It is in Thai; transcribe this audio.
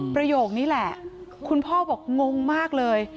ประโยคนี้แหละคุณพ่อบอกงงมากเลย